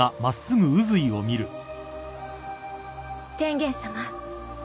天元さま。